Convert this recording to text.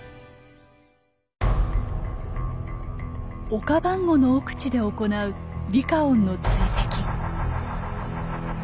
オカバンゴの奥地で行うリカオンの追跡。